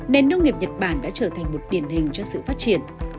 nền nông nghiệp nhật bản đã trở thành một điển hình cho sự phát triển